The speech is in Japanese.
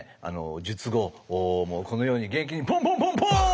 術後このように元気にポンポンポンポーン！